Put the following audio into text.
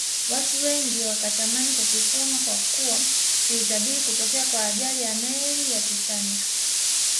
watu wengi wakatamani kukisoma kwakuwa kilitabiri kutokea kwa ajali ya meli ya Titanic